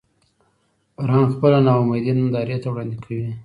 فرهنګ خپله ناامیدي نندارې ته وړاندې کوي